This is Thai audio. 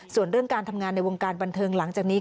ส่วนเรื่องการทำงานในวงการบันเทิงหลังจากนี้